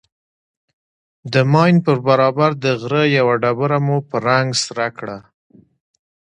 د ماين پر برابر د غره يوه ډبره مو په رنگ سره کړه.